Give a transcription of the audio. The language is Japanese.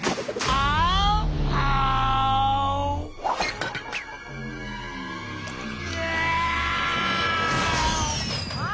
ああ！